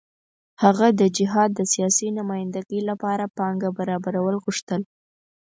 هغه د جهاد د سیاسي نمايندګۍ لپاره پانګه برابرول غوښتل.